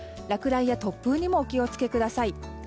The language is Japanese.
落雷や突風にもお気を付けください。